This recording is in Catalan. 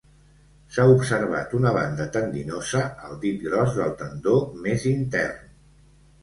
S'ha observat una banda tendinosa al dit gros del tendó més intern.